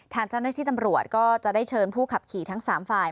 ทางเจ้าหน้าที่ตำรวจก็จะได้เชิญผู้ขับขี่ทั้ง๓ฝ่าย